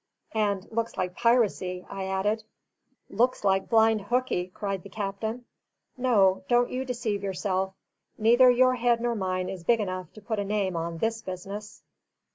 "And looks like piracy," I added. "Looks like blind hookey!" cried the captain. "No, don't you deceive yourself; neither your head nor mine is big enough to put a name on this business."